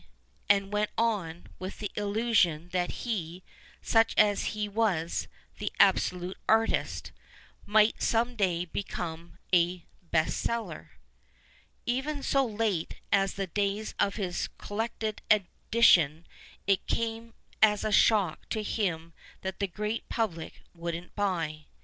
and went on, with the illusion that he, such as he was, the absolute artist, might some day become a " best seller." Even so late as the days of his Collected Edition it came as a shock to him that the great public wouldn't buy.